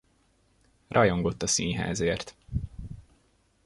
Rajongott a színházért.